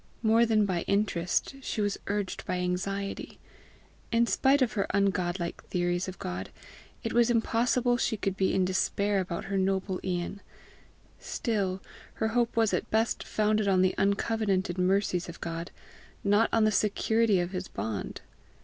More than by interest she was urged by anxiety. In spite of her ungodlike theories of God, it was impossible she could be in despair about her noble Ian; still, her hope was at best founded on the uncovenanted mercies of God, not on the security of his bond!